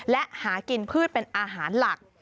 และหากินพืชเป็นอาหารหลัก